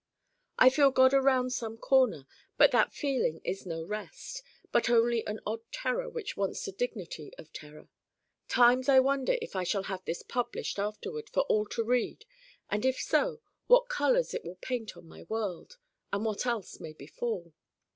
I feel God around some corner but that feeling is no rest, but only an odd terror which wants the dignity of terror. Times I wonder if I shall have this published afterward for all to read and if so what colors it will paint on my world and what else may befall.